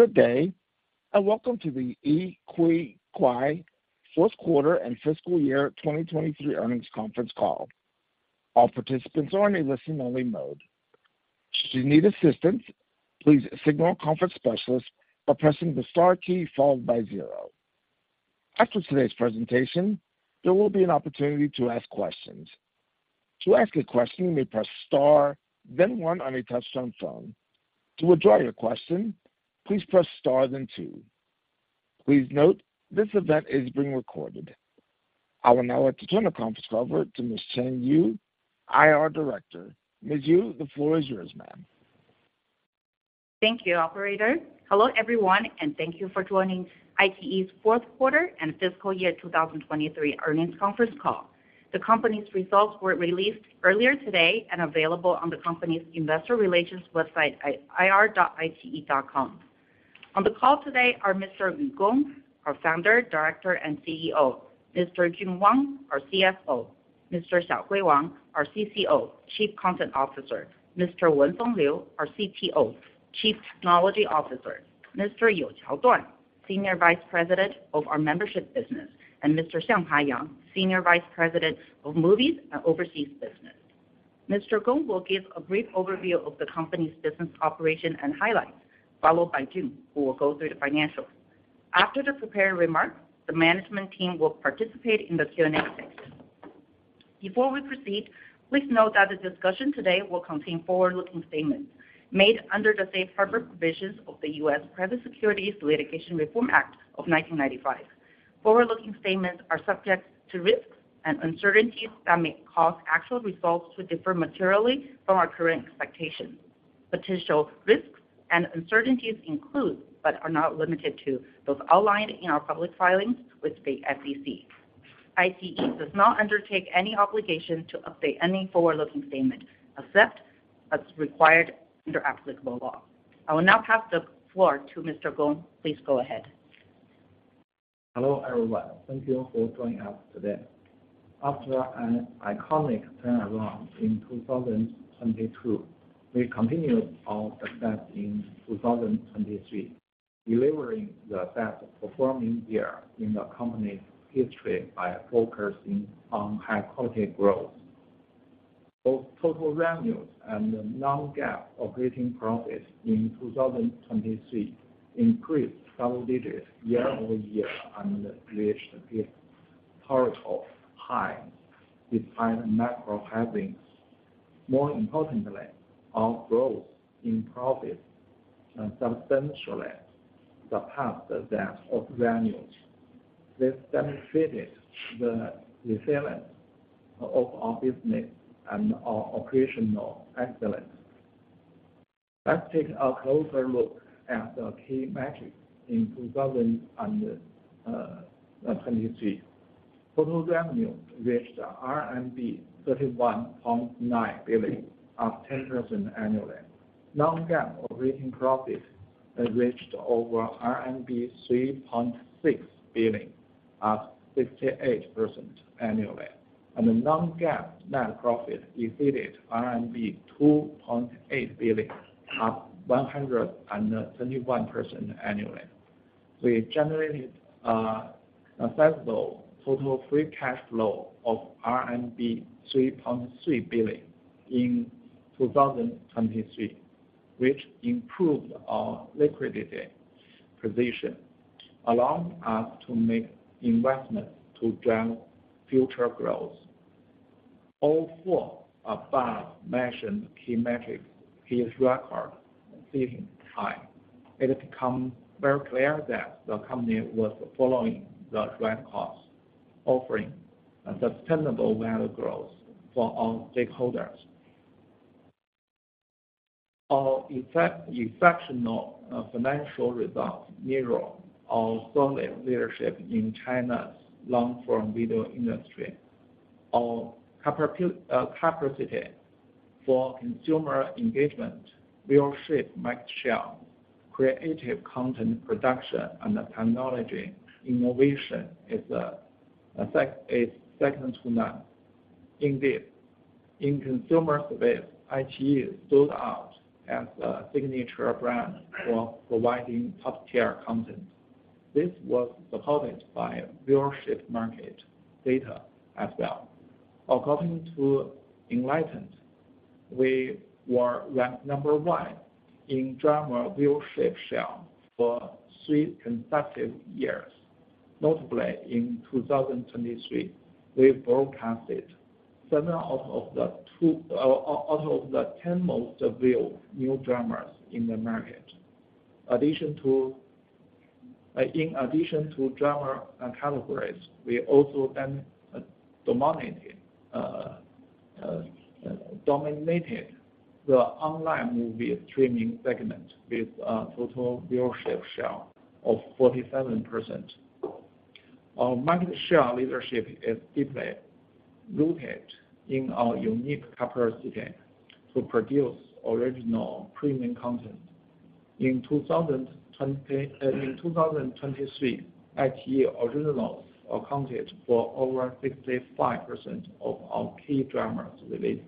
Good day, and welcome to the iQIYI fourth quarter and fiscal year 2023 earnings conference call. All participants are in a listen-only mode. Should you need assistance, please signal a conference specialist by pressing the star key followed by zero. After today's presentation, there will be an opportunity to ask questions. To ask a question, you may press star, then one on a touchtone phone. To withdraw your question, please press star then two. Please note, this event is being recorded. I will now like to turn the conference call over to Ms. Shen Yu, IR Director. Ms. Yu, the floor is yours, ma'am. Thank you, operator. Hello, everyone, and thank you for joining iQIYI's fourth quarter and fiscal year 2023 earnings conference call. The company's results were released earlier today and available on the company's investor relations website at ir.iqiyi.com. On the call today are Mr. Yu Gong, our Founder, Director, and CEO, Mr. Jun Wang, our CFO, Mr. Xiaohui Wang, our CCO, Chief Content Officer, Mr. Wenfeng Liu, our CTO, Chief Technology Officer, Mr. Youqiao Duan, Senior Vice President of our Membership Business, and Mr. Xianghai Yang, Senior Vice President of Movies and Overseas Business. Mr. Gong will give a brief overview of the company's business operation and highlights, followed by Jun, who will go through the financials. After the prepared remarks, the management team will participate in the Q&A session. Before we proceed, please note that the discussion today will contain forward-looking statements made under the safe harbor provisions of the U.S. Private Securities Litigation Reform Act of 1995. Forward-looking statements are subject to risks and uncertainties that may cause actual results to differ materially from our current expectations. Potential risks and uncertainties include, but are not limited to, those outlined in our public filings with the SEC. iQIYI does not undertake any obligation to update any forward-looking statement, except as required under applicable law. I will now pass the floor to Mr. Gong. Please go ahead. Hello, everyone. Thank you for joining us today. After an iconic turnaround in 2022, we continued our success in 2023, delivering the best performing year in the company's history by focusing on high-quality growth. Both total revenues and the non-GAAP operating profit in 2023 increased double digits year-over-year, and reached historical highs, despite macro headwinds. More importantly, our growth in profit substantially surpassed that of revenues. This demonstrated the resilience of our business and our operational excellence. Let's take a closer look at the key metrics in 2023. Total revenue reached CNY 31.9 billion, up 10% annually. Non-GAAP operating profit reached over RMB 3.6 billion, up 68% annually. And the non-GAAP net profit exceeded RMB 2.8 billion, up 121% annually. We generated a sizable total free cash flow of RMB 3.3 billion in 2023, which improved our liquidity position, allowing us to make investments to drive future growth. All four above mentioned key metrics hit record this time. It become very clear that the company was following the right course, offering a sustainable value growth for our stakeholders. Our exceptional financial results mirror our solid leadership in China's long-form video industry. Our capacity for consumer engagement, viewership market share, creative content production, and technology innovation is second to none. Indeed, in consumer space, iQIYI stood out as a signature brand for providing top-tier content. This was supported by viewership market data as well. According to Enlightent, we were ranked number one in drama viewership share for three consecutive years. Notably, in 2023, we broadcasted seven out of the ten most viewed new dramas in the market. In addition to drama categories, we also dominated the online movie streaming segment with a total viewership share of 47%. Our market share leadership is deeply rooted in our unique capacity to produce original premium content. In 2023, iQIYI originals accounted for over 65% of our key dramas released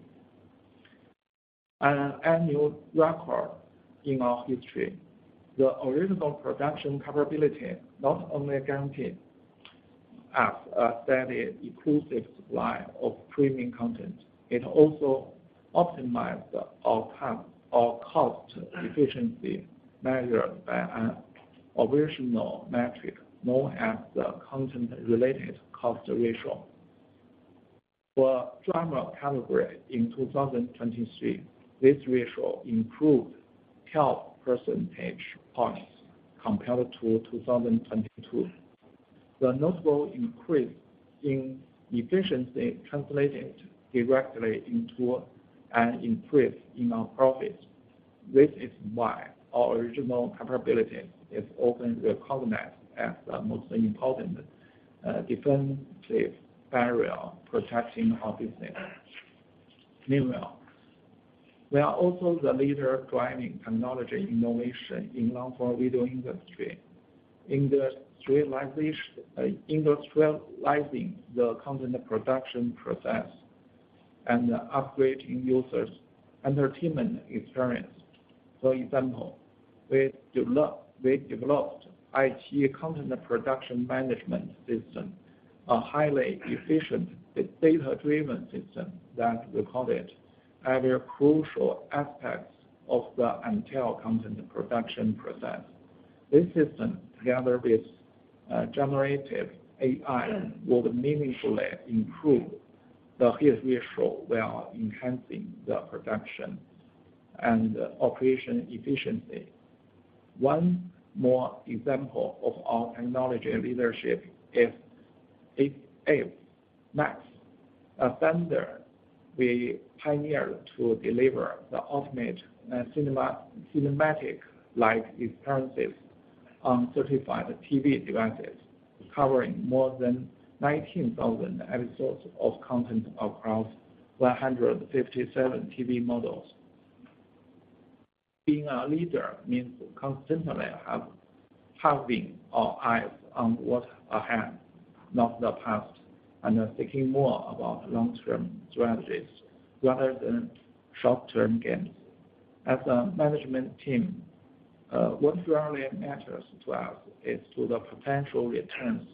and an annual record in our history. The original production capability not only guaranteed us a steady, inclusive supply of premium content, it also optimized our time, our cost efficiency measured by an operational metric known as the content-related cost ratio. For drama category in 2023, this ratio improved 12 percentage points compared to 2022. The notable increase in efficiency translated directly into an increase in our profits. This is why our original capability is often recognized as the most important defensive barrier protecting our business. Meanwhile, we are also the leader driving technology innovation in long-form video industry. In the streamlining, industrializing the content production process and upgrading users' entertainment experience. For example, we developed IT content production management system, a highly efficient data-driven system that we call it, have a crucial aspects of the iQIYI content production process. This system, together with generative AI, will meaningfully improve the hit ratio while enhancing the production and operation efficiency. One more example of our technology leadership is iQIYI MAX. We pioneered to deliver the ultimate cinema, cinematic-like experiences on certified TV devices, covering more than 19,000 episodes of content across 157 TV models. Being a leader means constantly having our eyes on what's ahead, not the past, and thinking more about long-term strategies rather than short-term gains. As a management team, what really matters to us is the potential returns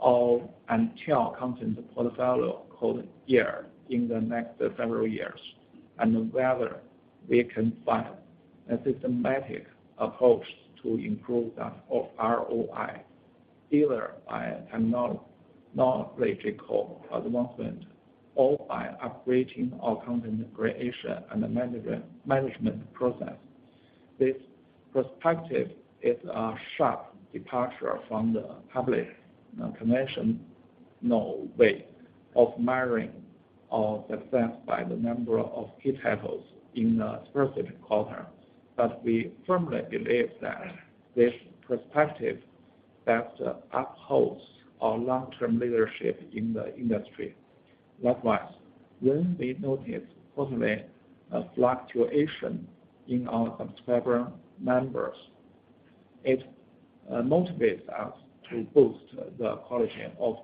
of iQIYI content portfolio overall in the next several years, and whether we can find a systematic approach to improve the ROI, either by analogous advancement or by upgrading our content creation and management process. This perspective is a sharp departure from the public's conventional way of measuring our success by the number of key titles in a specific quarter. But we firmly believe that this perspective best upholds our long-term leadership in the industry. Likewise, when we notice suddenly a fluctuation in our subscriber members, it motivates us to boost the quality of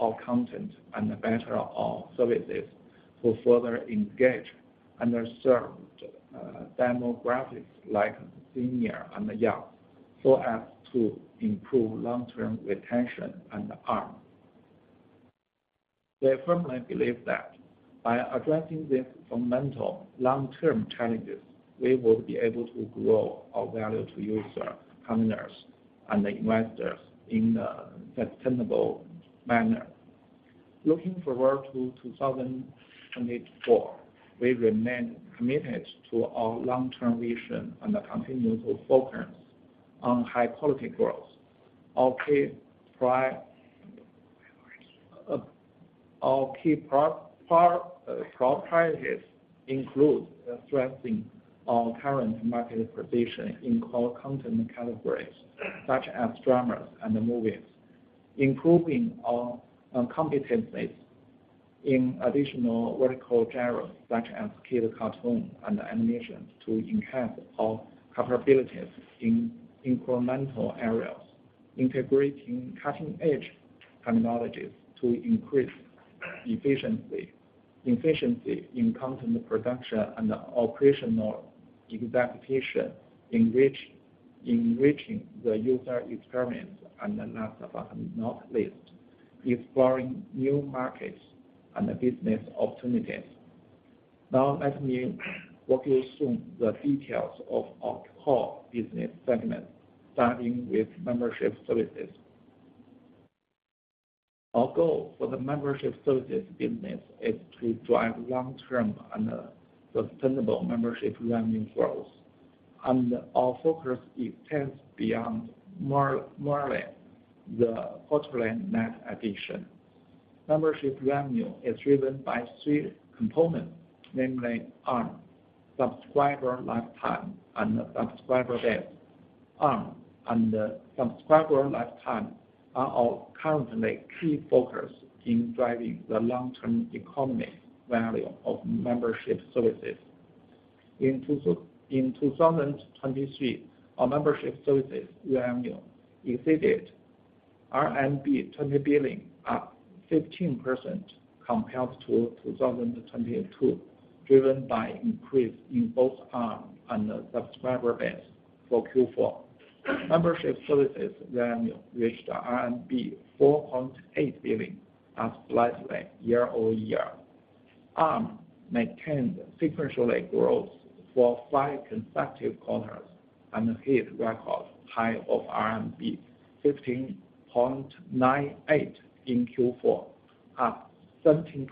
our content and better our services to further engage underserved demographics, like senior and young, so as to improve long-term retention and ARPU. We firmly believe that by addressing these fundamental long-term challenges, we will be able to grow our value to user, partners, and investors in a sustainable manner. Looking forward to 2024, we remain committed to our long-term vision and a continuous focus on high-quality growth. Our key priorities include strengthening our current market position in core content categories, such as dramas and movies, improving our competencies in additional vertical genres, such as kid cartoon and animation, to enhance our capabilities in incremental areas, integrating cutting-edge technologies to increase efficiency in content production and operational execution, enriching the user experience, and last but not least, exploring new markets and business opportunities. Now, let me walk you through the details of our core business segments, starting with membership services. Our goal for the membership services business is to drive long-term and sustainable membership revenue growth, and our focus extends beyond more than the quarter net addition. Membership revenue is driven by three components, namely ARPU, subscriber lifetime, and subscriber base. ARPU and subscriber lifetime are our currently key focus in driving the long-term economic value of membership services.... In 2023, our membership services revenue exceeded RMB 20 billion, up 15% compared to 2022, driven by increase in both ARM and the subscriber base for Q4. Membership services revenue reached RMB 4.8 billion, up slightly year-over-year. ARM maintained sequentially growth for 5 consecutive quarters and hit record high of RMB 15.98 in Q4, up 17%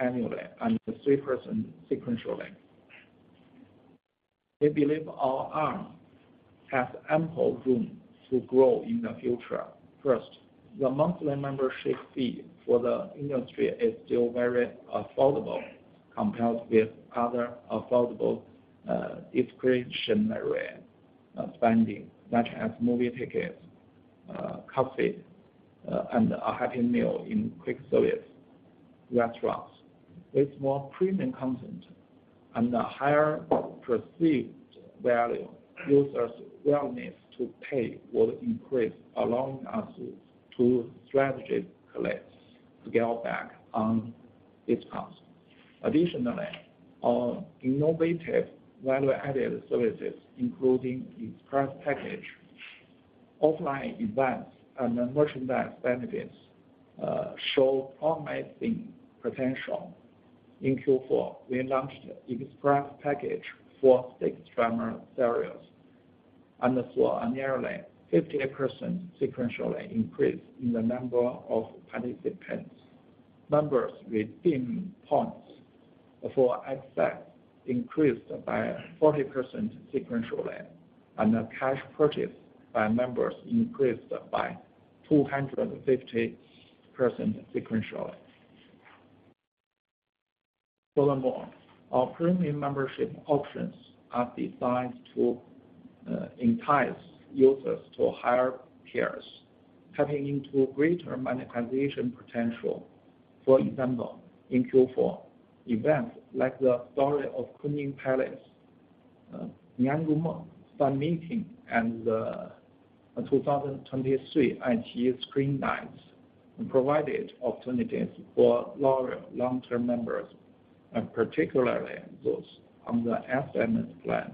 annually and 3% sequentially. We believe our ARM has ample room to grow in the future. First, the monthly membership fee for the industry is still very affordable compared with other affordable, discretionary, spending, such as movie tickets, coffee, and a happy meal in quick service restaurants. With more premium content and a higher perceived value, users' willingness to pay will increase, allowing us to strategically scale back on discounts. Additionally, our innovative value-added services, including Express Package, offline events, and merchandise benefits, show promising potential. In Q4, we launched Express Package for 6 drama series and saw a nearly 58% sequential increase in the number of participants. Members redeeming points for access increased by 40% sequentially, and the cash purchase by members increased by 250% sequentially. Furthermore, our premium membership options are designed to entice users to higher tiers, tapping into greater monetization potential. For example, in Q4, events like The Story of Kunning Palace, Ning Ru Meng, Fan Meeting, and the 2023 iQIYI Screen Nights provided opportunities for loyal long-term members, and particularly those on the SMS plan,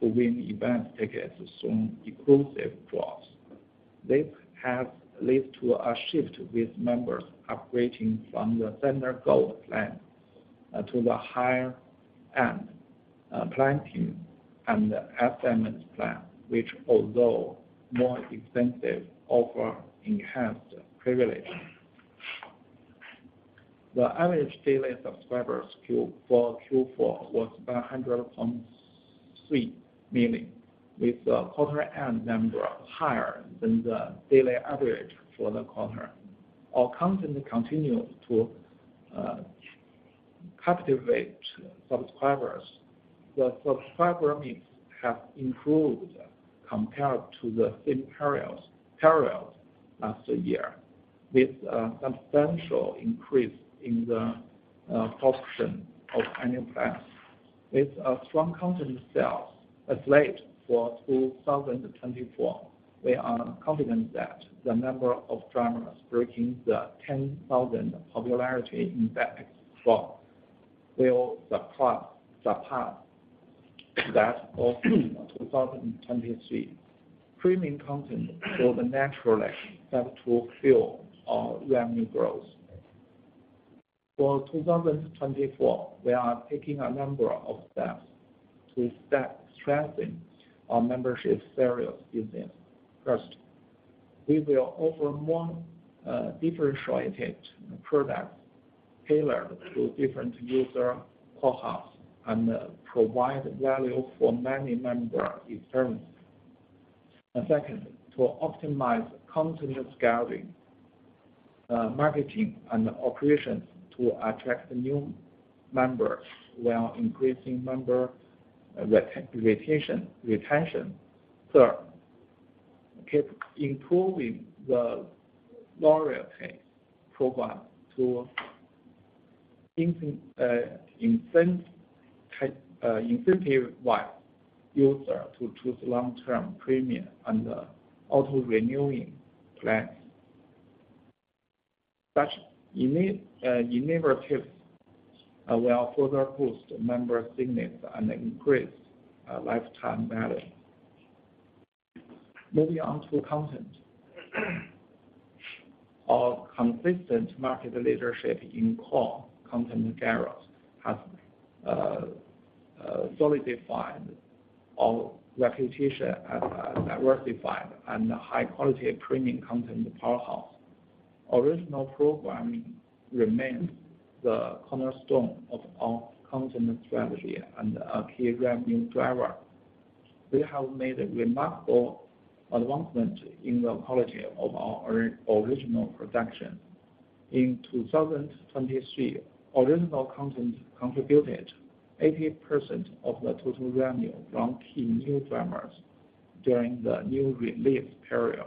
to win event tickets from exclusive draws. This has led to a shift with members upgrading from the standard Gold plan to the higher-end Platinum and the SMS plan, which although more expensive, offer enhanced privileges. The average daily subscribers for Q4 was 100.3 million, with the quarter-end membership higher than the daily average for the quarter. Our content continued to captivate subscribers. The subscriber mix have improved compared to the same periods last year, with a substantial increase in the proportion of annual plans. With a strong content slate for 2024, we are confident that the number of dramas breaking the 10,000 popularity index threshold will surpass that of 2023. Premium content will naturally help to fuel our revenue growth. For 2024, we are taking a number of steps to strengthen our membership service business. First, we will offer more differentiated products tailored to different user cohorts and provide value for many member experience. And second, to optimize content discovery, marketing and operations to attract new members while increasing member retention. Third, keep improving the loyalty program to incentivize user to choose long-term premium and auto-renewing plans. Such initiatives will further boost member signals and increase lifetime value. Moving on to content. Our consistent market leadership in core content genres has solidified our reputation as a diversified and high-quality premium content powerhouse. Original programming remains the cornerstone of our content strategy and a key revenue driver. We have made a remarkable advancement in the quality of our original production. In 2023, original content contributed 80% of the total revenue from key new dramas during the new release period.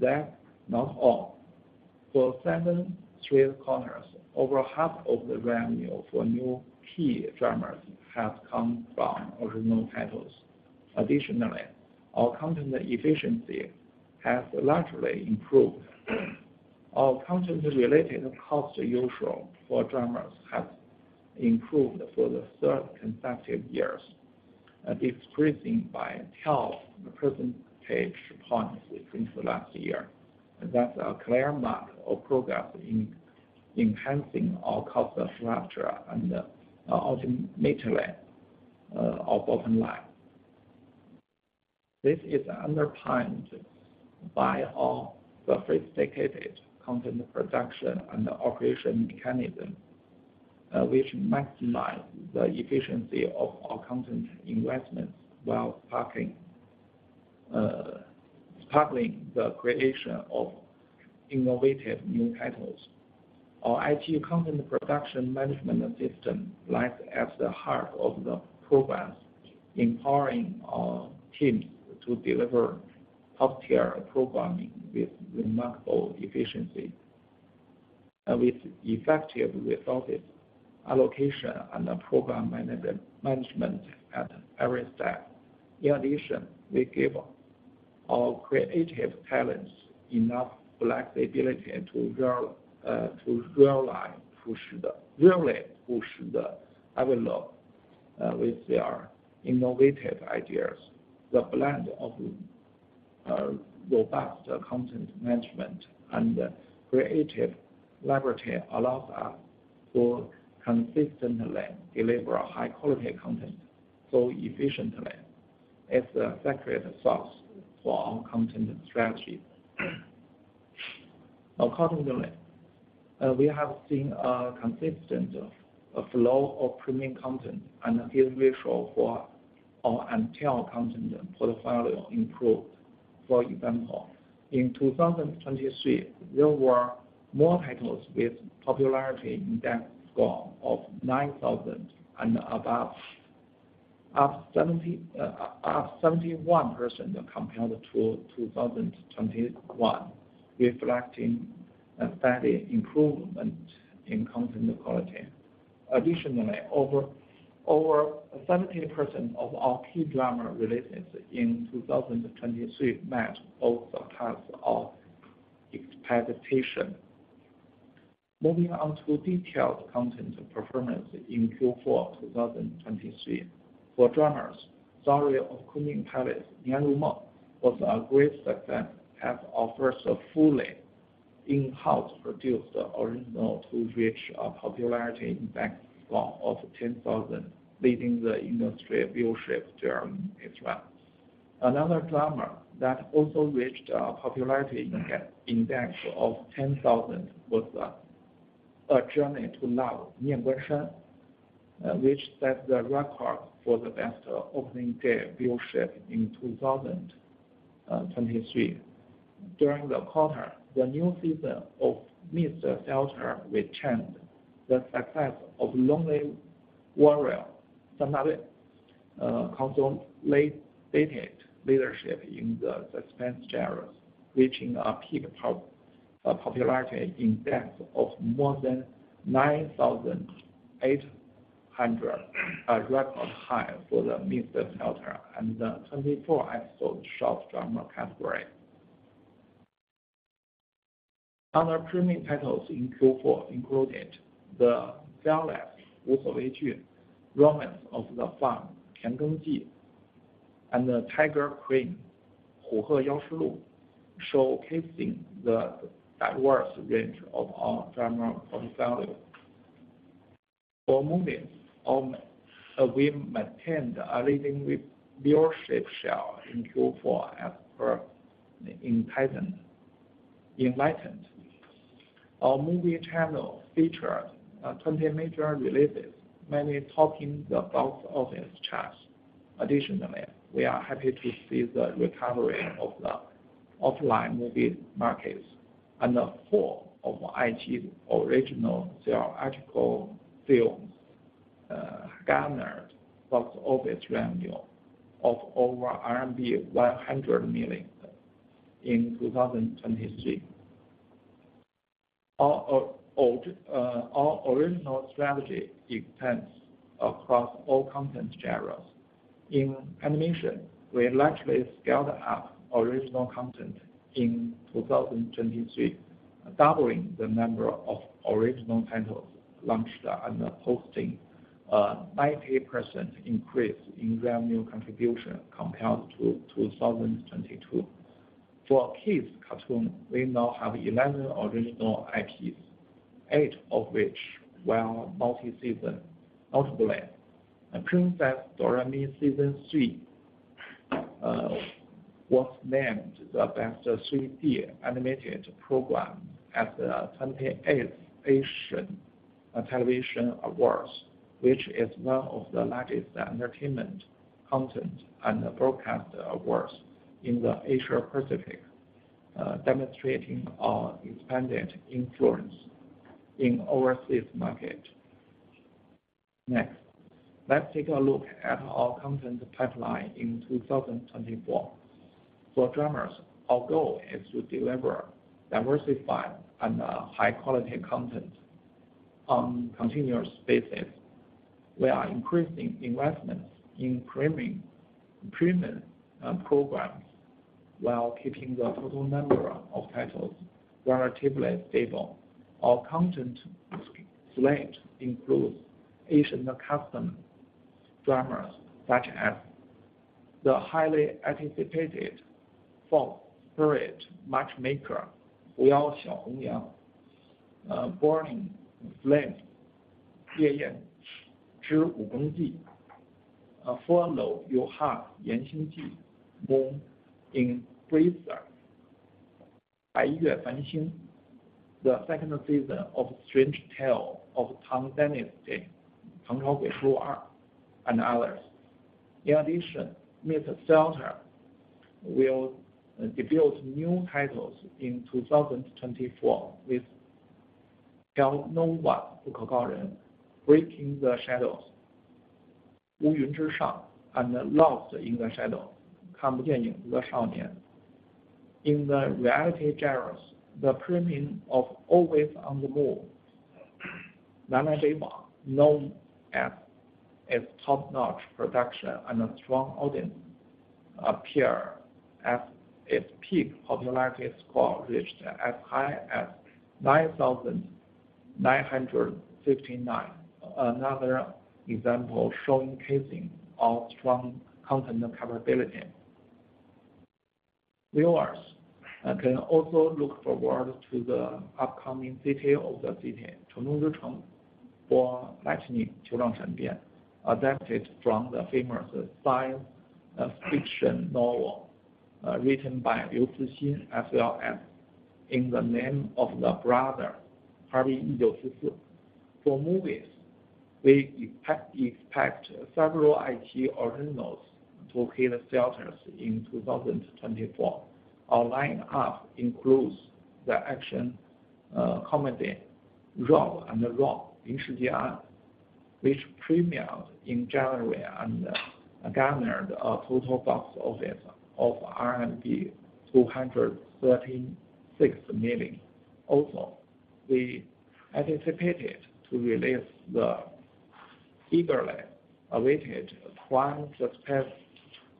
That's not all.... For seven straight quarters, over half of the revenue for new key dramas has come from original titles. Additionally, our content efficiency has largely improved. Our content-related cost ratio for dramas has improved for the third consecutive years, decreasing by 12 percentage points since last year. That's a clear mark of progress in enhancing our cost structure and ultimately our bottom line. This is underpinned by our sophisticated content production and operation mechanism, which maximize the efficiency of our content investments while sparking the creation of innovative new titles. Our AI content production management system lies at the heart of the programs, empowering our teams to deliver top-tier programming with remarkable efficiency, and with effective resource allocation and program management at every step. In addition, we give our creative talents enough flexibility to grow and push the envelope with their innovative ideas. The blend of robust content management and creative liberty allows us to consistently deliver high-quality content so efficiently. It's the secret sauce for our content strategy. Accordingly, we have seen a consistent flow of premium content, and hit ratio for our entire content portfolio improved. For example, in 2023, there were more titles with popularity index score of 9,000 and above, up 71% compared to 2021, reflecting a steady improvement in content quality. Additionally, over 70% of our key drama releases in 2023 met all the types of expectation. Moving on to detailed content performance in Q4 2023. For dramas, Story of Kunning Palace, Ning An Ru Meng, was a great success as our first fully in-house produced original to reach a popularity index score of 10,000, leading the industry viewership term as well. Another drama that also reached a popularity index of 10,000 was A Journey to Love, Nian Guan Shan, which set the record for the best opening day viewership in 2023. During the quarter, the new season of Mist Theater with Chen, the success of Lonely Warrior, another consolidated leadership in the suspense genres, reaching a peak popularity index of more than 9,800, a record high for the Mist Theater and the 24-episode short drama category. Other premium titles in Q4 included The Fearless, Wu Sou Wei Ju, Romance of the Farm, Tian Geng Ji, and The Tiger Queen, Hu He Yao Shi Lu, showcasing the diverse range of our drama portfolio. For movies, we maintained a leading viewership share in Q4 as per Enlightent. Our movie channel featured 20 major releases, many topping the box office charts. Additionally, we are happy to see the recovery of the offline movie markets, and four of iQIYI's original theatrical films garnered box office revenue of over RMB 100 million in 2023. Our original strategy extends across all content genres. In animation, we largely scaled up original content in 2023, doubling the number of original titles launched and posting a 90% increase in revenue contribution compared to 2022. For kids cartoon, we now have 11 original IPs, eight of which were multi-season. Notably, Princess Doremi Season Three was named the Best 3D Animated Program at the 28th Asian Television Awards, which is one of the largest entertainment content and broadcast awards in the Asia Pacific, demonstrating our expanded influence in overseas market.... Next, let's take a look at our content pipeline in 2024. For Dramas, our goal is to deliver diversified and high-quality content on continuous basis. We are increasing investments in premium programs while keeping the total number of titles relatively stable. Our content slate includes Asian costume dramas, such as the highly anticipated Fox Spirit Matchmaker, Huyao Xiaohongniao, Burning Flames, Lie Yan Zhi Wu Geng Ji, Fuyao Yuhua Yanxing Ji, Born in Blizzard, Baiyue Fanxing, the second season of Strange Tales of Tang Dynasty, Tang Chaogui Shu Er, and others. In addition, Mist Theater will debut new titles in 2024, with Tell No One, Bu Ke Gao Ren, Breaking the Shadows, Wu Yun Zhi Shang, and Lost in the Shadow, Kan Bu Jian Ying De Shao Nian. In the reality genres, the premium of Always on the Move, Nana Beiba, known as its top-notch production and a strong audience, appear as its peak popularity score reached as high as 9,959. Another example showcasing our strong content capability. Viewers can also look forward to the upcoming City of the City, Chengdou Zhicheng, Ball Lightning, Qiulang Chenbian, adapted from the famous science fiction novel written by Liu Cixin, as well as In the Name of the Brother, Ha Er Bin Yi Jiu Si Si. For movies, we expect several IP originals to hit theaters in 2024. Our line up includes the action comedy, Raw and the Raw, Lin Shi Jie An, which premiered in January and garnered a total box office of RMB 236 million. Also, we anticipated to release the eagerly awaited Twin Suspects,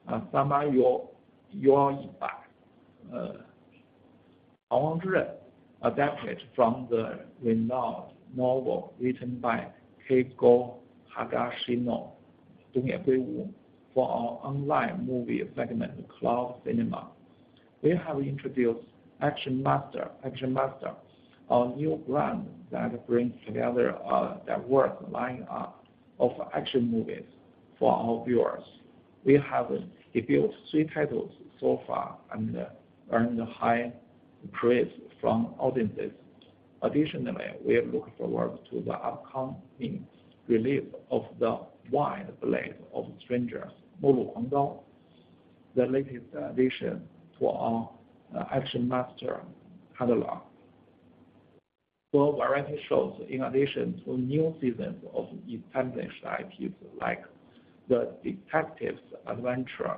San Da Dui, adapted from the renowned novel written by Keigo Higashino, Dongye Guiwu. For our online movie segment, Cloud Cinema, we have introduced Action Master, Action Master, our new brand that brings together, the lineup of action movies for our viewers. We have debuted three titles so far and earned high praise from audiences. Additionally, we are looking forward to the upcoming release of The Wide Blade of Strangers, Mo Lu Kuang Dao, the latest addition to our Action Master catalog. For variety shows, in addition to new seasons of established IPs, like The Detective's Adventure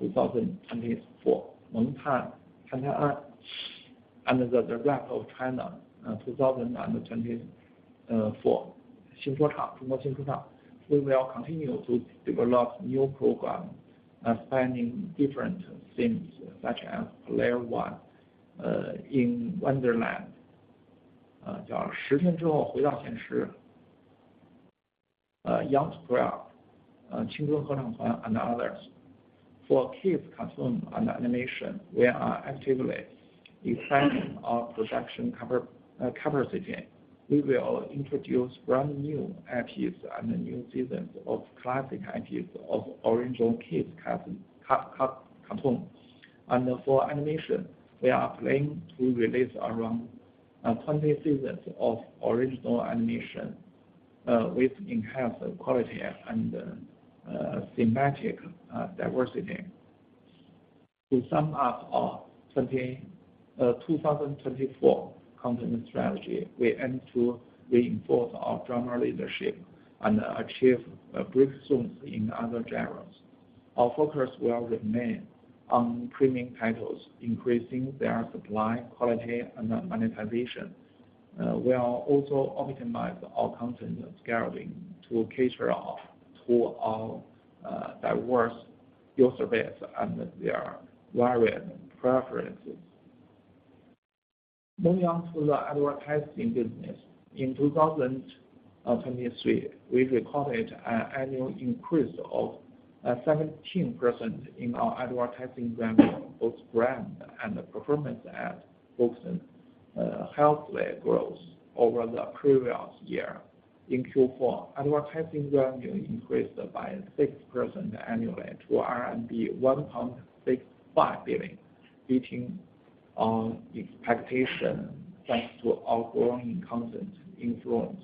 2024, Meng Tan Tan Tan An, and The Rap of China 2024, Zhongguo Xin Shuo Chang. We will continue to develop new programs, spanning different themes, such as Player One in Wonderland, called Shi Tian Zhi Hou Hui Dao Xian Shi, Young Trail, Qingchun He Changtuan, and others. For kids cartoon and animation, we are actively expanding our production coverage capacity. We will introduce brand new IPs and new seasons of classic IPs of original kids cartoon. For animation, we are planning to release around 20 seasons of original animation, with enhanced quality and thematic diversity. To sum up our 2024 content strategy, we aim to reinforce our drama leadership and achieve breakthroughs in other genres. Our focus will remain on premium titles, increasing their supply, quality, and monetization. We'll also optimize our content scheduling to cater to our diverse user base and their varied preferences. Moving on to the advertising business. In 2023, we recorded an annual increase of 17% in our advertising revenue, both brand and performance ad, both in healthy growth over the previous year. In Q4, advertising revenue increased by 6% annually to CNY 1.65 billion, beating our expectation, thanks to our growing content influence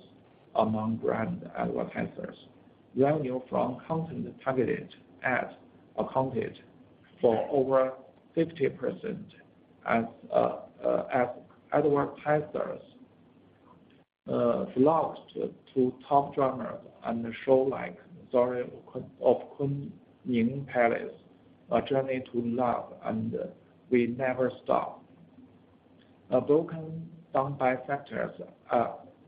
among brand advertisers. Revenue from content-targeted ads accounted for over 50% as advertisers flocked to top dramas and the show like The Story of Kunning Palace, A Journey to Love, and We Never Stop. A breakdown by factors,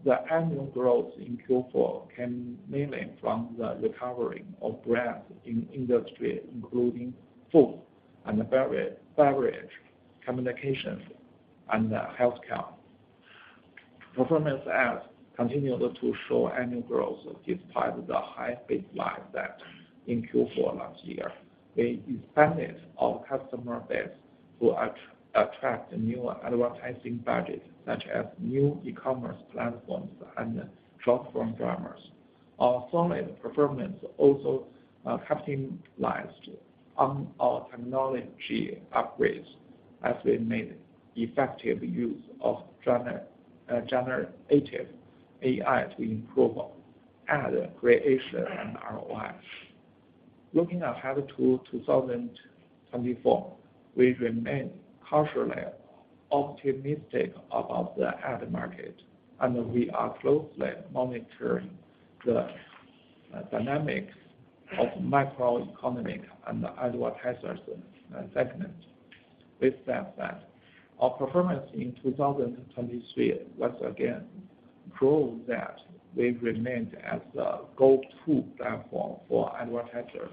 the annual growth in Q4 came mainly from the recovery of brands in industry, including food and beverage, communications, and healthcare. Performance ads continued to show annual growth despite the high baseline that in Q4 last year. We expanded our customer base to attract new advertising budgets, such as new e-commerce platforms and short form dramas. Our solid performance also capitalized on our technology upgrades as we made effective use of generative AI to improve ad creation and ROI. Looking ahead to 2024, we remain cautiously optimistic about the ad market, and we are closely monitoring the dynamics of macroeconomic and advertisers segment. With that said, our performance in 2023 once again proved that we remained as the go-to platform for advertisers,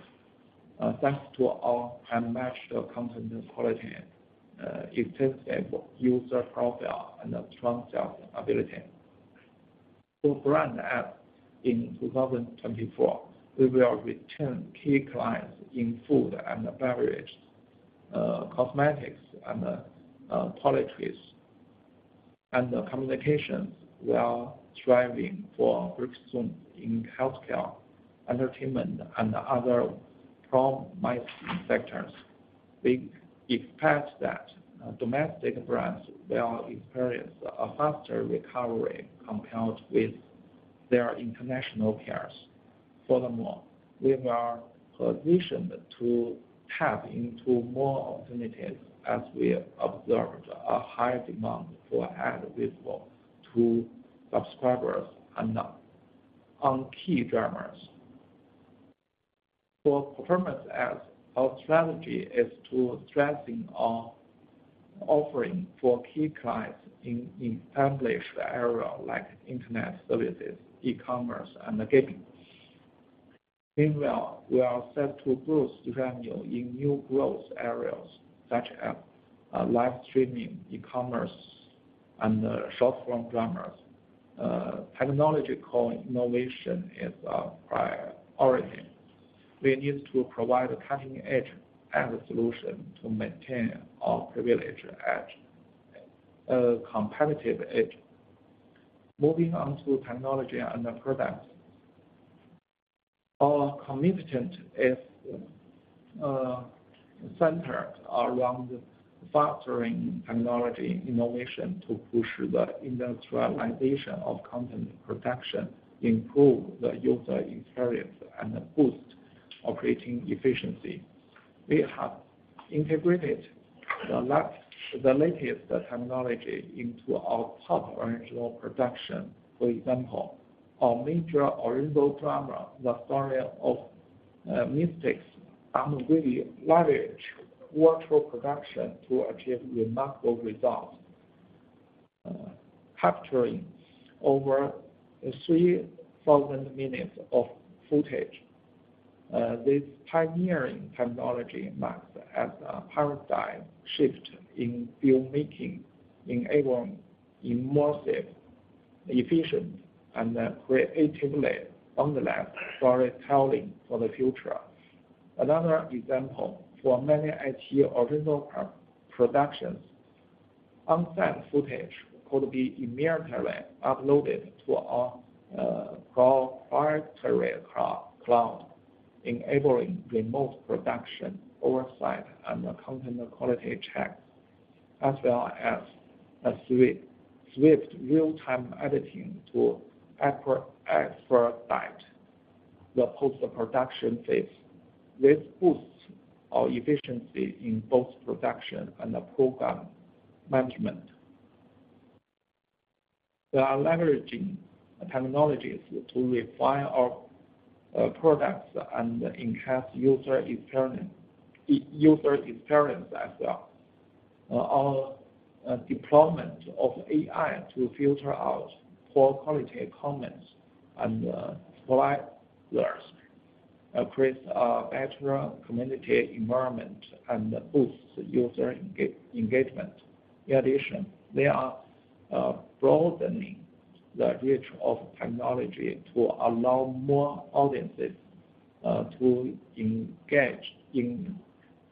thanks to our unmatched content quality, extensive user profile, and a strong sales ability. For brand ads in 2024, we will return key clients in food and beverage, cosmetics, and toiletries. And communications, we are striving for growth soon in healthcare, entertainment, and other promising sectors. We expect that, domestic brands will experience a faster recovery compared with their international peers. Furthermore, we are positioned to tap into more opportunities as we observed a high demand for ad visible to subscribers and on, on key dramas. For performance ads, our strategy is to strengthen our offering for key clients in established areas like internet services, e-commerce, and gaming. Meanwhile, we are set to boost revenue in new growth areas such as, live streaming, e-commerce, and short form dramas. Technological innovation is our priority. We need to provide a cutting-edge ad solution to maintain our privileged edge, competitive edge. Moving on to technology and the product. Our commitment is centered around fostering technology innovation to push the industrialization of content production, improve the user experience, and boost operating efficiency. We have integrated the latest technology into our top original production. For example, our major original drama, The Story of Mystics, and we leverage virtual production to achieve remarkable results, capturing over 3,000 minutes of footage. This pioneering technology marks as a paradigm shift in filmmaking, enabling immersive, efficient, and creatively boundless storytelling for the future. Another example, for many iQIYI original productions, on-set footage could be immediately uploaded to our proprietary cloud, enabling remote production, oversight, and content quality check, as well as a swift real-time editing to expedite the post-production phase. This boosts our efficiency in both production and program management. We are leveraging technologies to refine our products and enhance user experience, user experience as well. Our deployment of AI to filter out poor quality comments and spoilers creates a better community environment and boosts user engagement. In addition, we are broadening the reach of technology to allow more audiences to engage in,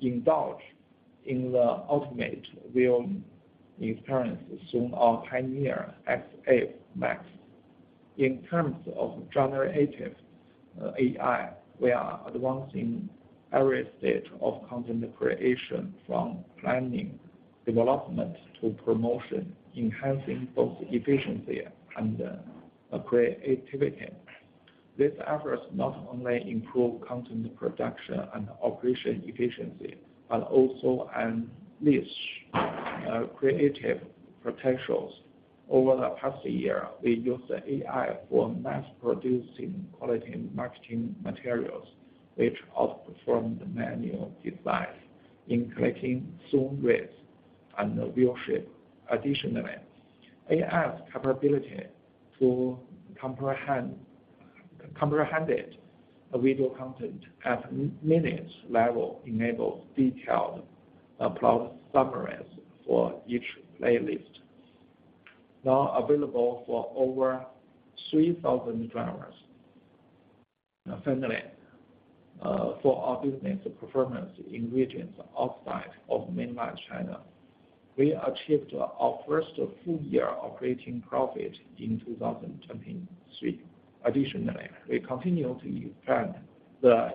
indulge in the ultimate viewing experience soon on XR MAX. In terms of generative AI, we are advancing every stage of content creation from planning, development, to promotion, enhancing both efficiency and creativity. These efforts not only improve content production and operation efficiency, but also unleash creative potentials. Over the past year, we used AI for mass-producing quality marketing materials, which outperformed the manual designs in collecting zoom rates and viewership. Additionally, AI's capability to comprehend video content at minute level enables detailed plot summaries for each playlist, now available for over 3,000 dramas. Finally, for our business performance in regions outside of mainland China, we achieved our first full year operating profit in 2023. Additionally, we continue to expand the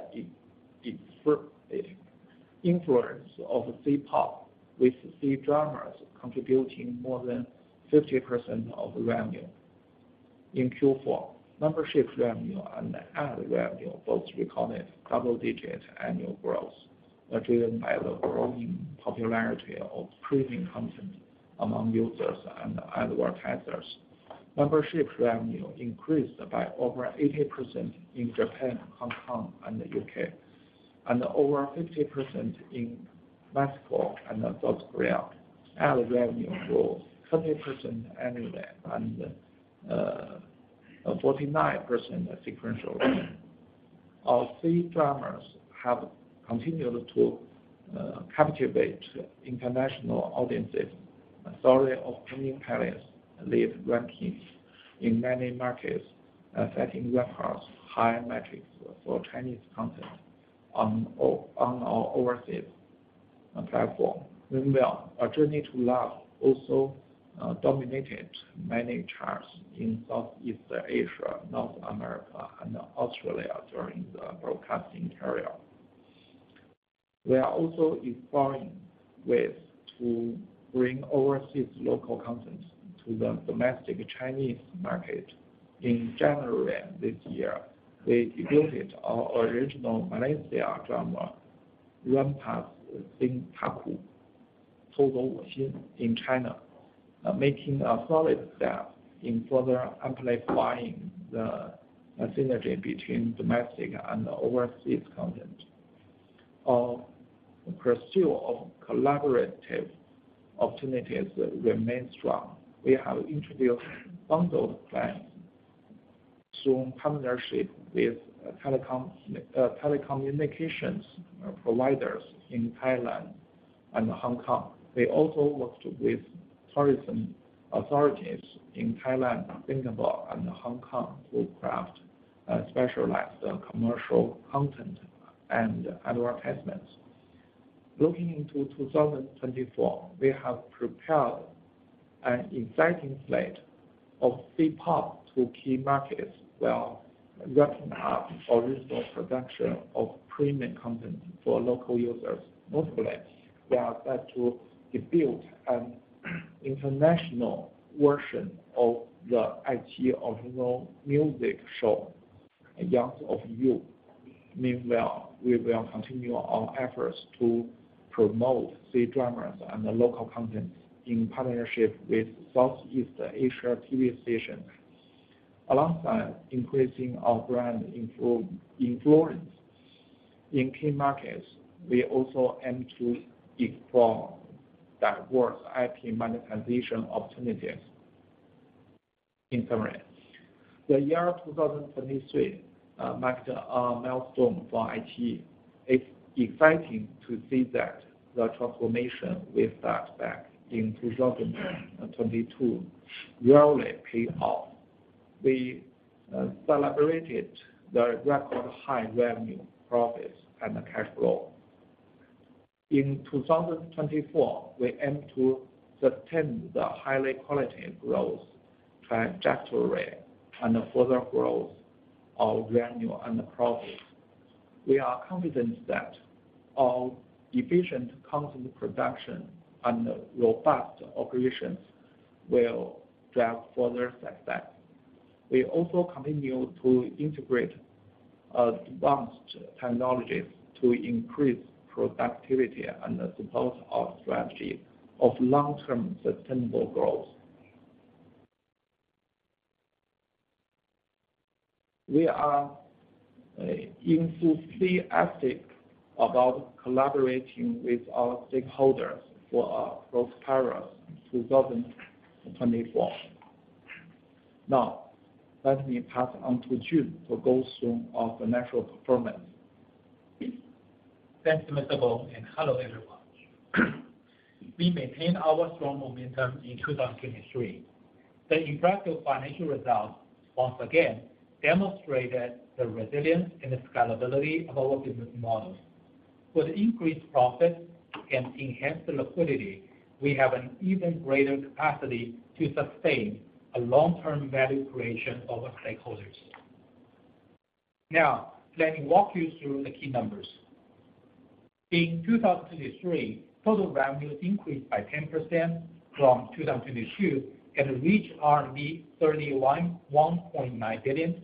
influence of C-pop, with C-dramas contributing more than 50% of revenue. In Q4, membership revenue and ad revenue both recorded double-digit annual growth, driven by the growing popularity of premium content among users and advertisers. Membership revenue increased by over 80% in Japan, Hong Kong and the UK, and over 50% in Mexico and South Korea. Ad revenue grew 30% annually and 49% sequentially. Our C-dramas have continued to captivate international audiences. Story of Kunning Palace leads rankings in many markets, setting records, high metrics for Chinese content on our overseas platform. Meanwhile, A Journey to Love also dominated many charts in Southeast Asia, North America, and Australia during the broadcasting period. We are also exploring ways to bring overseas local content to the domestic Chinese market. In January this year, we debuted our original Malaysia drama, Rampas Cintaku: Tou Zou Wo Xin, in China, making a solid step in further amplifying the synergy between domestic and overseas content. Our pursuit of collaborative opportunities remains strong. We have introduced bundled plans through partnership with telecom, telecommunications providers in Thailand and Hong Kong. We also worked with tourism authorities in Thailand, Singapore, and Hong Kong to craft specialized commercial content and advertisements. Looking into 2024, we have prepared an exciting slate of C-pop to key markets, while ramping up our resource production of premium content for local users. Mostly, we are set to debut an international version of the iQIYI original music show, Youth With You. Meanwhile, we will continue our efforts to promote C-dramas and the local content in partnership with Southeast Asia TV station. Alongside increasing our brand influence in key markets, we also aim to explore diverse IP monetization opportunities. In summary, the year 2023 marked a milestone for iQIYI. It's exciting to see that the transformation we started back in 2022 really paid off. We celebrated the record high revenue, profits, and cash flow. In 2024, we aim to sustain the high-quality growth trajectory and further growth of revenue and profit. We are confident that our efficient content production and robust operations will drive further success. We also continue to integrate advanced technologies to increase productivity and support our strategy of long-term sustainable growth. We are enthusiastically about collaborating with our stakeholders for a prosperous 2024. Now, let me pass on to Jun for go through of financial performance. Thanks, Mr. Bo, and hello, everyone. We maintained our strong momentum in 2023. The impressive financial results once again demonstrated the resilience and the scalability of our business models. With increased profit and enhanced liquidity, we have an even greater capacity to sustain a long-term value creation of our stakeholders. Now, let me walk you through the key numbers. In 2023, total revenues increased by 10% from 2022 and reached 31.19 billion.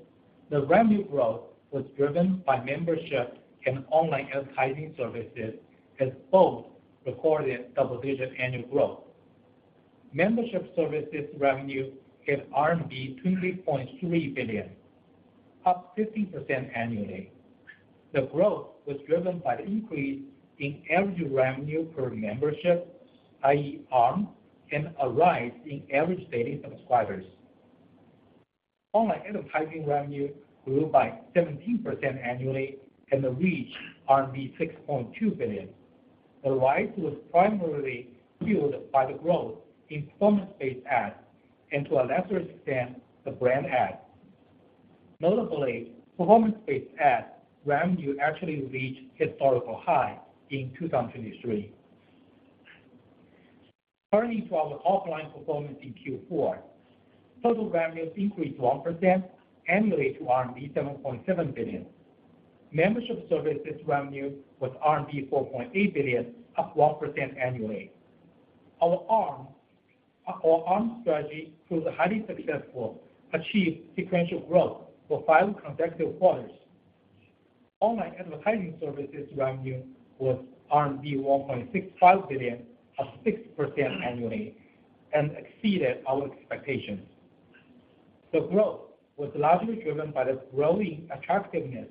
The revenue growth was driven by membership and online advertising services, as both recorded double-digit annual growth. Membership services revenue hit RMB 20.3 billion, up 50% annually. The growth was driven by the increase in average revenue per membership, i.e., ARM, and a rise in average daily subscribers. Online advertising revenue grew by 17% annually and reached RMB 6.2 billion. The rise was primarily fueled by the growth in performance-based ads and, to a lesser extent, the brand ads. Notably, performance-based ads revenue actually reached a historical high in 2023. Turning to our overall performance in Q4, total revenues increased 1% annually to 7.7 billion. Membership services revenue was 4.8 billion, up 1% annually. Our ARM strategy proved highly successful, achieved sequential growth for five consecutive quarters. Online advertising services revenue was RMB 1.65 billion, up 6% annually, and exceeded our expectations. The growth was largely driven by the growing attractiveness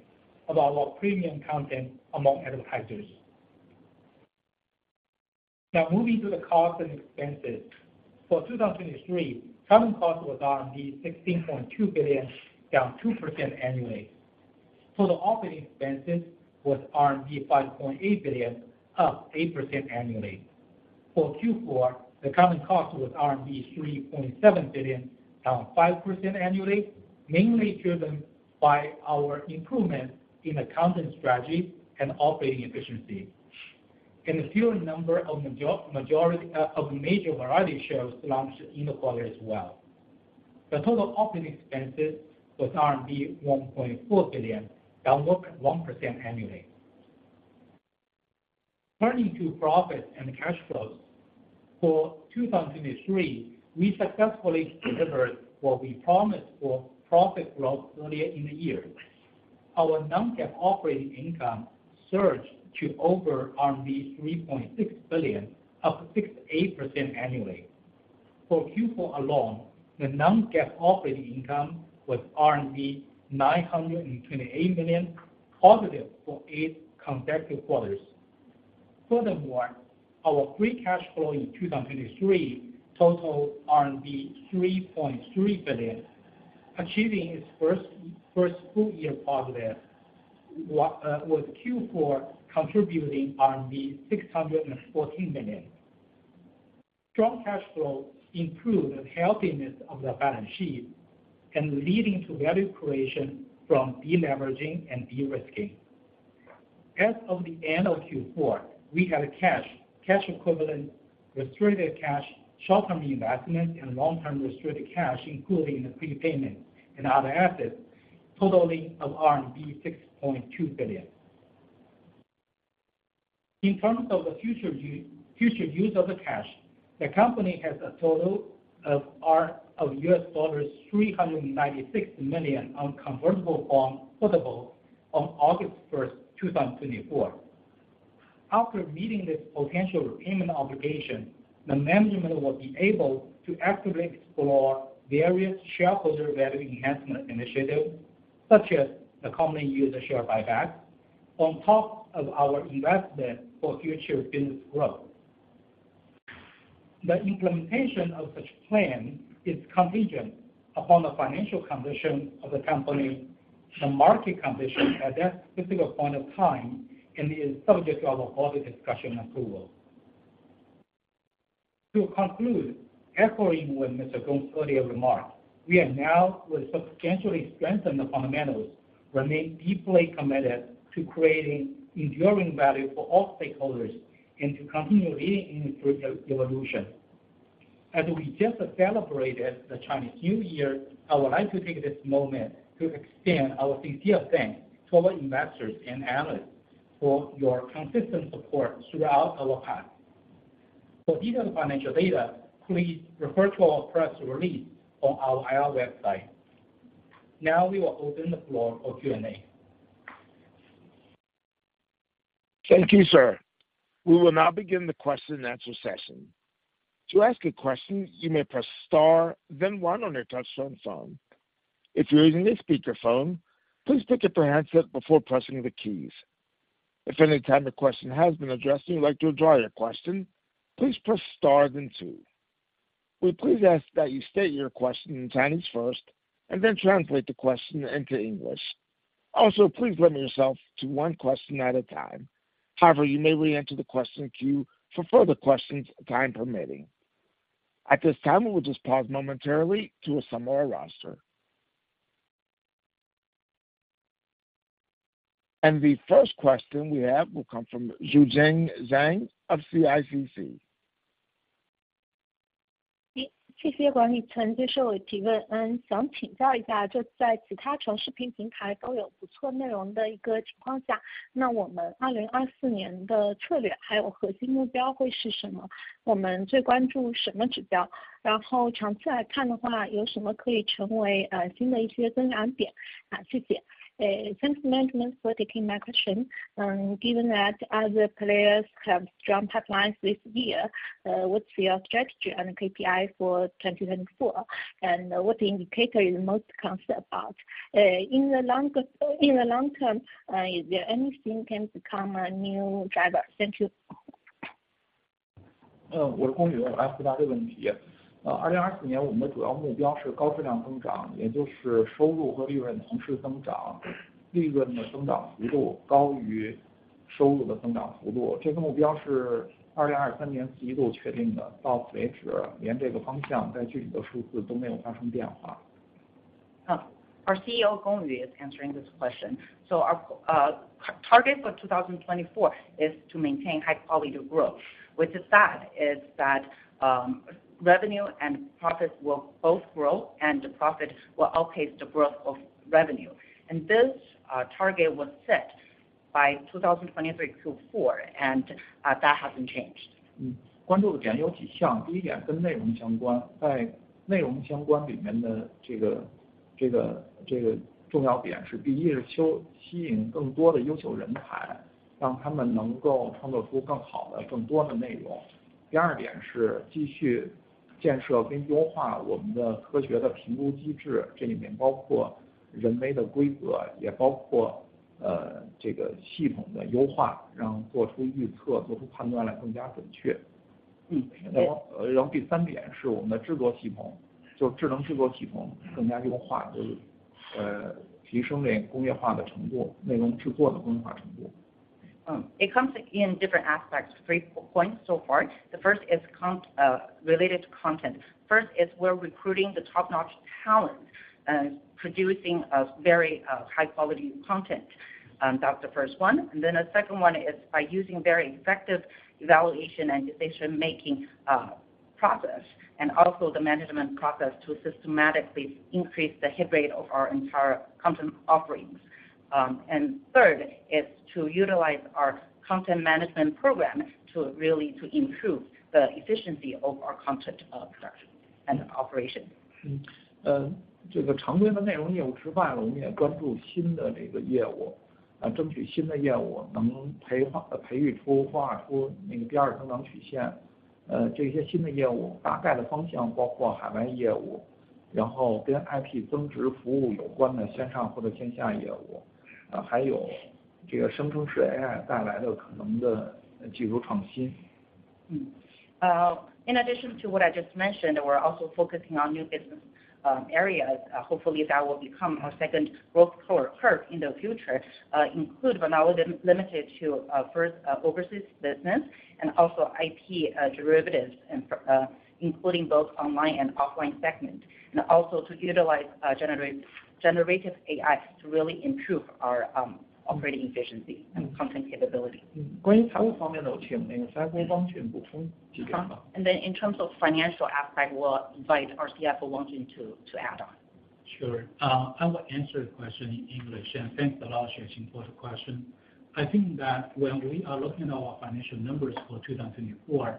of our premium content among advertisers. Now moving to the costs and expenses. For 2023, content cost was 16.2 billion, down 2% annually. Total operating expenses was 5.8 billion, up 8% annually. For Q4, the current cost was 3.7 billion, down 5% annually, mainly driven by our improvement in the content strategy and operating efficiency, and a few number of major variety shows launched in the quarter as well. The total operating expenses was RMB 1.4 billion, down 1% annually. Turning to profits and cash flows. For 2023, we successfully delivered what we promised for profit growth earlier in the year. Our non-GAAP operating income surged to over RMB 3.6 billion, up 68% annually. For Q4 alone, the non-GAAP operating income was 928 million, positive for eight consecutive quarters. Furthermore, our free cash flow in 2023 totaled 3.3 billion, achieving its first full year positive, with Q4 contributing 614 million. Strong cash flow improved the healthiness of the balance sheet and leading to value creation from deleveraging and de-risking. As of the end of Q4, we had cash, cash equivalent, restricted cash, short-term investment, and long-term restricted cash, including the prepayment and other assets, totaling RMB 6.2 billion. In terms of the future use of the cash, the company has a total of $396 million on convertible bonds puttable on August 1, 2024. After meeting this potential repayment obligation, the management will be able to actively explore various shareholder value enhancement initiatives, such as the common use of share buyback, on top of our investment for future business growth. The implementation of such plan is contingent upon the financial condition of the company, the market conditions at that specific point of time, and is subject to our board discussion approval. To conclude, echoing what Mr. Gong earlier remarked, we are now with substantially strengthened fundamentals, remain deeply committed to creating enduring value for all stakeholders and to continue leading in the industry evolution. As we just celebrated the Chinese New Year, I would like to take this moment to extend our sincere thanks to all investors and analysts for your consistent support throughout our path. For detailed financial data, please refer to our press release on our IR website. Now we will open the floor for Q&A. Thank you, sir. We will now begin the question and answer session. To ask a question, you may press star then one on your touchtone phone. If you're using a speakerphone, please pick up your handset before pressing the keys. If at any time your question has been addressed, and you'd like to withdraw your question, please press star then two. We please ask that you state your question in Chinese first, and then translate the question into English. Also, please limit yourself to one question at a time. However, you may reenter the question queue for further questions, time permitting. At this time, we'll just pause momentarily to assemble our roster. The first question we have will come from Xueqing Zhang of CICC. Thanks management for taking my question. Given that other players have strong pipelines this year, what's your strategy and KPI for 2024? And what indicator you're most concerned about? In the long term, is there anything can become a new driver? Thank you. 我是龚宇，我来回答这个问题。2024年我们的主要目标是高质量增长，也就是收入和利润同时增长，利润的增长幅度高于收入的增长幅度，这个目标是2023年季度确定的，到为止，连这个方向在具体的数字都没有发生变化。Our CEO Gong Yu is answering this question. So our target for 2024 is to maintain high quality growth, which is that revenue and profit will both grow, and the profit will outpace the growth of revenue. And this target was set by 2023 Q4, and that hasn't changed. It comes in different aspects. Three points so far. The first is related to content. First, is we're recruiting the top-notch talent, and producing a very high quality content. That's the first one. And then the second one is by using very effective evaluation and decision-making process, and also the management process to systematically increase the hit rate of our entire content offerings. And third, is to utilize our content management program to really to improve the efficiency of our content production and operation. 这个常规的内容业务之外，我们也专注新的这个业务，争取新的业务，能培育出那个第二增长曲线。这些新的业务大概的方向包括海外业务，然后跟IP增值服务有关的线上或者线下业务，还有这个生成式AI带来的可能的技术创新。In addition to what I just mentioned, we're also focusing on new business areas. Hopefully that will become our second growth core curve in the future, include but not limited to, first, overseas business and also IP derivatives, and including both online and offline segments, and also to utilize generative AI to really improve our operating efficiency and content capability. 关于财务方面的问题，我们CFO汪俊补充一下。In terms of financial aspect, we'll invite our CFO Wang Jun to add on. Sure, I will answer the question in English, and thanks a lot, Xueqing, for the question. I think that when we are looking at our financial numbers for 2024,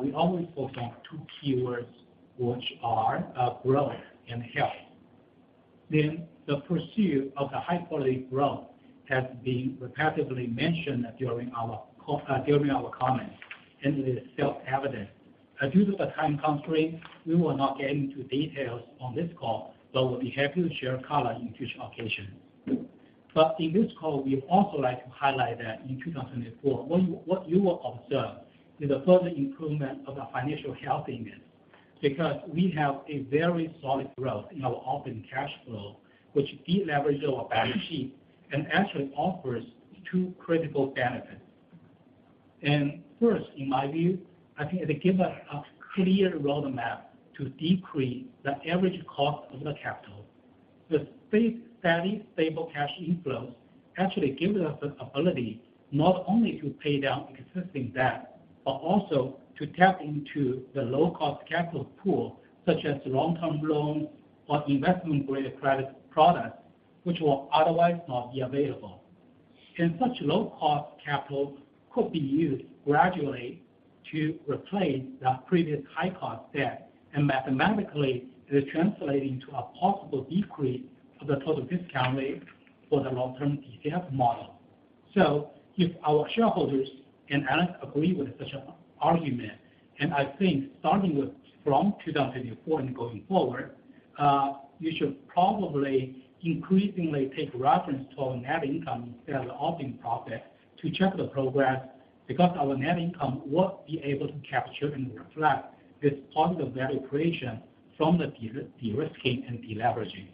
we always focus on two keywords, which are: growth and health. Then, the pursuit of the high quality growth has been repetitively mentioned during our comments, and it is self-evident. Due to the time constraint, we will not get into details on this call, but we'll be happy to share color in future occasions. But in this call, we'd also like to highlight that in 2024, what you will observe is a further improvement of the financial healthiness, because we have a very solid growth in our operating cash flow, which deleverages our balance sheet and actually offers two critical benefits. And first, in my view, I think it gives us a clear roadmap to decrease the average cost of the capital. The steady, stable cash inflows actually gives us the ability not only to pay down existing debt, but also to tap into the low cost capital pool, such as long-term loans or investment-grade credit products, which will otherwise not be available. And such low cost capital could be used gradually to replace the previous high cost debt, and mathematically, it is translating to a possible decrease of the total discount rate for the long-term DCF model. So if our shareholders and analyst agree with such an argument, and I think starting from 2024 and going forward, you should probably increasingly pay reference to our net income and the operating profit to check the progress, because our net income will be able to capture and reflect this positive valuation from the derisking and deleveraging.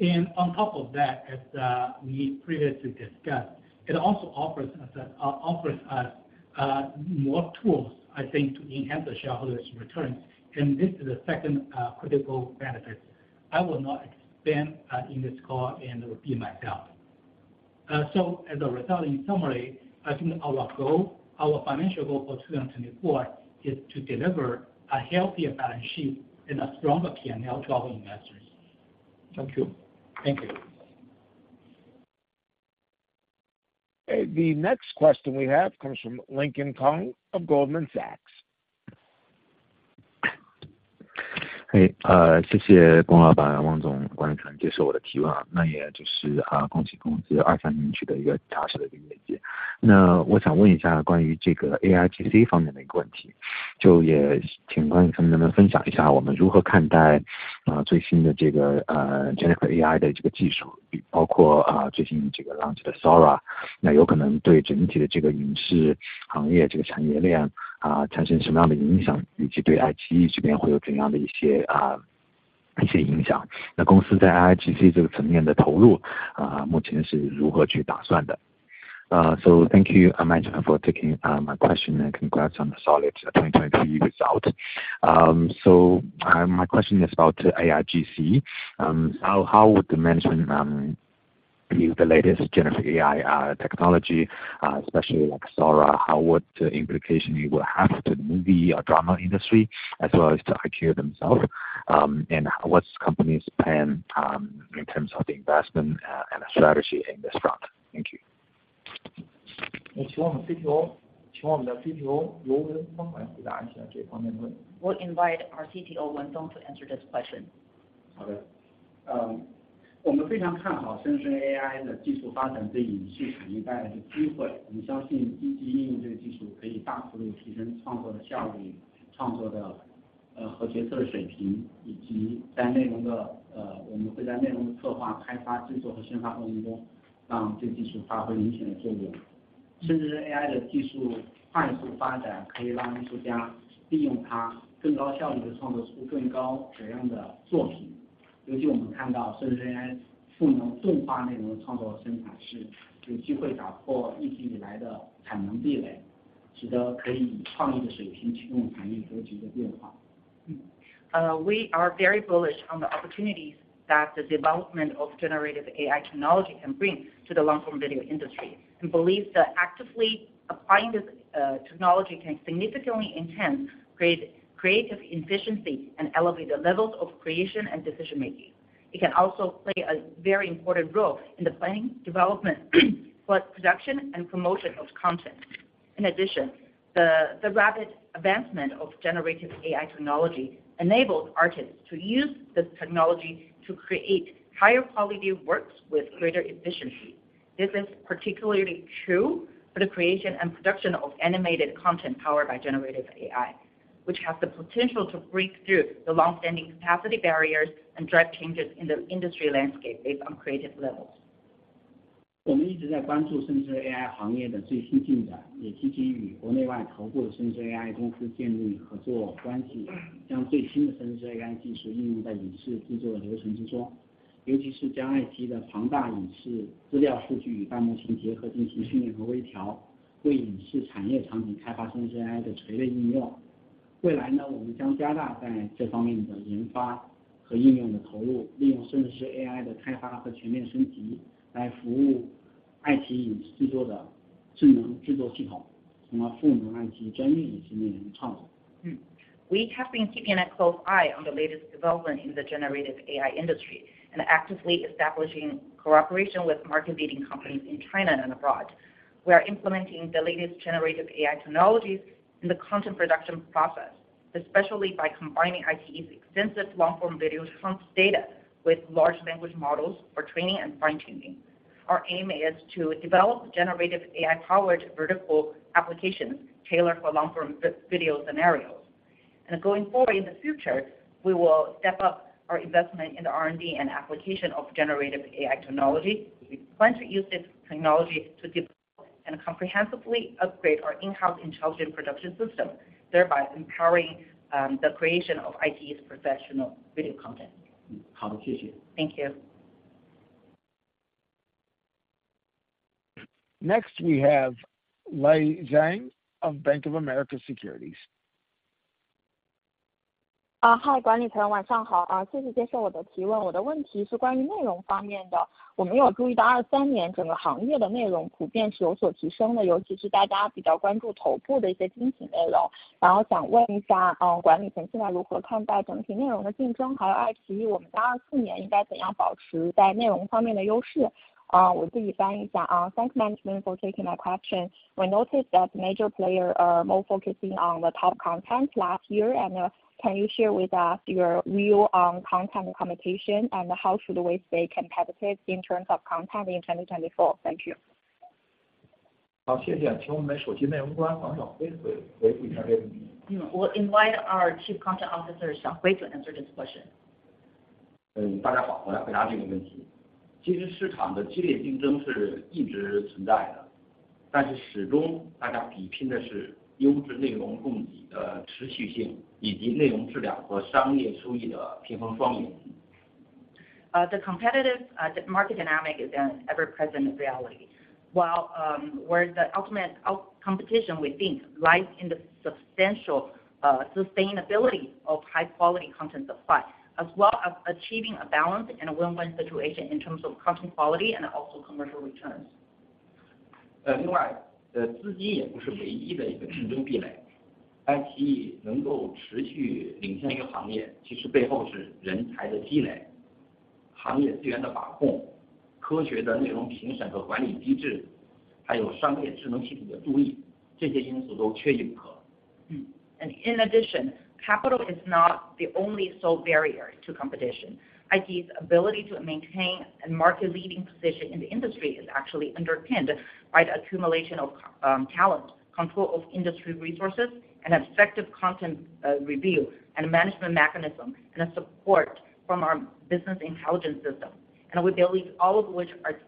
And on top of that, as we previously discussed, it also offers us more tools, I think, to enhance the shareholders' returns, and this is the second critical benefit. I will not expand in this call, and it will be myself. So as a result, in summary, I think our goal, our financial goal for 2024 is to deliver a healthier balance sheet and a stronger PNL to our investors. Thank you. Thank you. The next question we have comes from Lincoln Kong of Goldman Sachs. Thank you, Mr. Gong and Mr. Wang, for taking my question this evening. That is, congratulations on the company's solid 2023 performance. I would like to ask a question about the AIGC aspect. Could management share how we view the latest generative AI technology, including the newly launched Sora? What kind of impact might it have on the overall film and television industry's industry chain, and what kind of impacts will it have on the iQIYI side? For the company's investment in AIGC, how is it currently planned? So, my question is about AIGC. How would you mention the latest generative AI technology, especially like Sora, how would the implication it will have to movie or drama industry as well as to iQIYI themselves? And what's company's plan in terms of the investment and the strategy in this front? Thank you. 请我们的CTO刘文峰来回答一下这方面的这个问题。We'll invite our CTO, Wenfeng Liu, to answer this question. 好的，我们非常看好生成式 AI 的技术发展对影视产业带来的机会。我们相信积极运用这个技术可以大幅度提升创作的效率，和决策的水平，以及在内容 的... 我们会在内容的策划、开发、制作和宣发过程中，让这技术发挥明显的作用。甚至AI的技术快速发展，可以让艺术家利用它更高效地创作出更高质量的作品。尤其我们看到生成式AI赋能进化内容创作生产，是有机会打破历史以来的产能壁垒，使得可以以创意的水平驱动产业格局的变化。We are very bullish on the opportunities that the development of generative AI technology can bring to the long-form video industry, and believes that actively applying this technology can significantly enhance great creative efficiency and elevate the levels of creation and decision making. It can also play a very important role in the planning, development, production, and promotion of content. In addition, the rapid advancement of generative AI technology enables artists to use this technology to create higher quality works with greater efficiency. This is particularly true for the creation and production of animated content powered by generative AI, which has the potential to break through the long-standing capacity barriers and drive changes in the industry landscape based on creative levels. 我们一直在关注生成式AI行业的最新的进展，也积极与国内外头部的生成式AI公司建立合作关系，将最新的生成式AI技术应用在影视制作的流程之中，特别是将爱奇艺的庞大影视资料数据与大模型结合进行训练和微调，为影视产业场景开发生成式AI的垂直应用。未来呢，我们将加大在这方面的研发和应用的投入，利用生成式AI的开发和全面升级，来服务爱奇艺影视制作的智能制作系统，从而赋能爱奇艺专业影视内容创作。We have been keeping a close eye on the latest development in the generative AI industry and actively establishing cooperation with market-leading companies in China and abroad. We are implementing the latest generative AI technologies in the content production process, especially by combining iQIYI's extensive long-form video trunks data with large language models for training and fine-tuning. Our aim is to develop generative AI-powered vertical applications tailored for long-term video scenarios. Going forward, in the future, we will step up our investment in the R&D and application of generative AI technology. We plan to use this technology to develop and comprehensively upgrade our in-house intelligent production system, thereby empowering the creation of iQIYI's professional video content. 好，谢谢。Thank you. Next, we have Lei Zhang of Bank of America Securities. Ah, hi, good evening, management. Ah, thank you for taking my question. My question is about content. We have noticed that in 2023 the entire industry's content generally has improved, especially some top premium content that everyone is relatively focused on. Then I want to ask, uh, how does management now view the overall content competition? Also, how should iQIYI maintain its advantage in content in 2024? Uh, I'll translate it myself, uh, thanks management for taking my question. We noticed that major players are more focusing on the top content last year, and can you share with us your view on content competition, and how should we stay competitive in terms of content in 2024? Thank you. 好，谢谢。请我们首席内容官王晓晖回复一下这个问题。We'll invite our Chief Content Officer, Xiaohui Wang, to answer this question. 大家好，我来回答这个问题。其实市场的激烈竞争是一直存在的，但是始终大家比拼的是优质内容供给的持续性，以及内容质量和商业收益的平衡双赢。The competitive market dynamic is an ever-present reality. While where the ultimate out-competition we think lies in the substantial sustainability of high-quality content supply, as well as achieving a balance and a win-win situation in terms of content quality and also commercial returns. Uh, And in addition, capital is not the only sole barrier to competition. iQIYI's ability to maintain a market-leading position in the industry is actually underpinned by the accumulation of, talent, control of industry resources, and effective content, review, and management mechanism, and a support from our business intelligence system. And we believe all of which are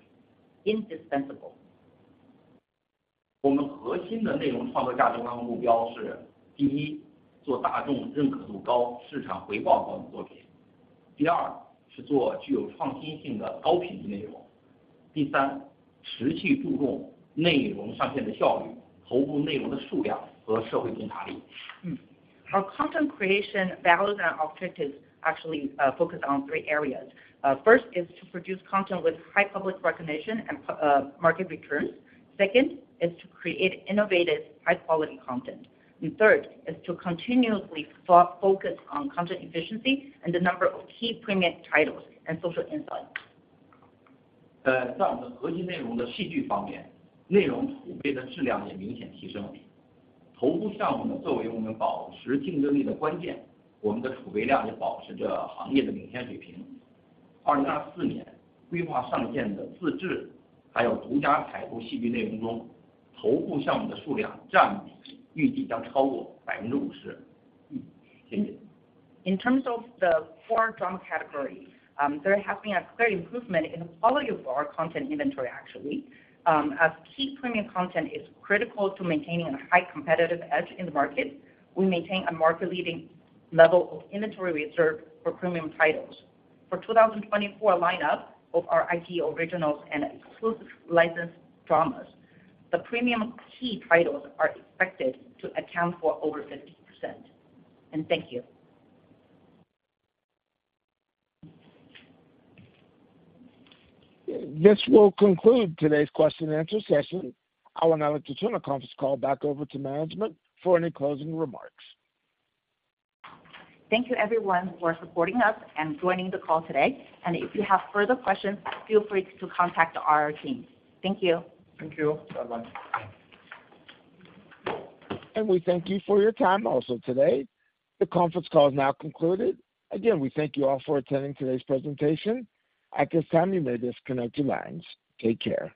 indispensable. Our content creation values and objectives actually focus on three areas. First is to produce content with high public recognition and market returns. Second, is to create innovative, high-quality content. And third, is to continuously focus on content efficiency and the number of key premium titles and social insight. Uh, In terms of the core drama category, there has been a clear improvement in the quality of our content inventory, actually. As key premium content is critical to maintaining a high competitive edge in the market, we maintain a market-leading level of inventory reserve for premium titles. For 2024 lineup of our iQIYI originals and exclusive licensed dramas, the premium key titles are expected to account for over 50%. Thank you. This will conclude today's question and answer session. I will now like to turn the conference call back over to management for any closing remarks. Thank you everyone for supporting us and joining the call today. If you have further questions, feel free to contact our team. Thank you. Thank you. Bye-bye. We thank you for your time also today. The conference call is now concluded. Again, we thank you all for attending today's presentation. At this time, you may disconnect your lines. Take care.